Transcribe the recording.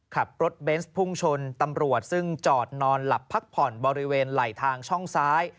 ขับรถเบนส์พุ่งชนตำรวจซึ่งจอดนอนหลับพักผ่อนบริเวณไหลทางช่องซ้าย